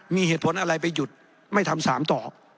มีเหตุผลอะไรไปหยุดไม่ทำ๓ต่อ